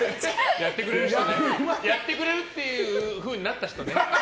やってくれるっていうふうになった人ね。